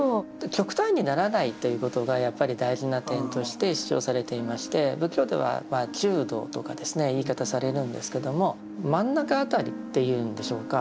極端にならないということがやっぱり大事な点として主張されていまして仏教では「中道」とかですね言い方されるんですけども真ん中辺りっていうんでしょうか。